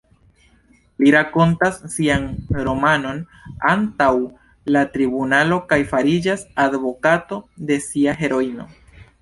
Li rakontas sian romanon antaŭ la tribunalo kaj fariĝas advokato de sia heroino...